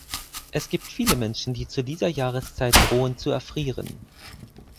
Es gibt viele Menschen, die zu dieser Jahreszeit drohen zu erfrieren.